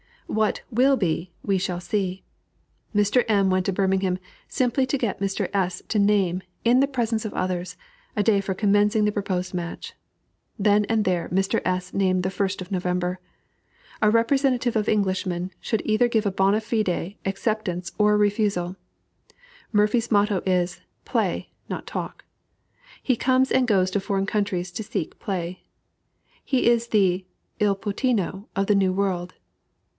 What "will be," we shall see. Mr. M. went to Birmingham simply to get Mr. S. to name, in the presence of others, a day for commencing the proposed match. Then and there Mr. S. named the 1st of November. A representative of Englishmen should give either a bona fide acceptance or a refusal. Morphy's motto is "Play, not talk." He comes and goes to foreign countries to seek play. He is the "Il Puttino" of the New World.